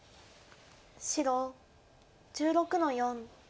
白１６の四。